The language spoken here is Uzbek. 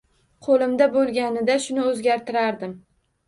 Qo‘limda bo‘lganida shuni o‘zgartirardim.